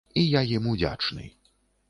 І я ім удзячны.